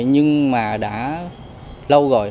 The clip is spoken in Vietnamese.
nhưng mà đã lâu rồi